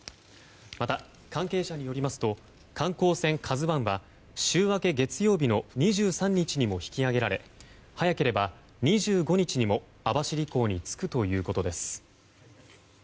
また関係者によりますと観光船「ＫＡＺＵ１」は週明け月曜日の２３日にも引き揚げられ早ければ２５日にも網走港に着くということです。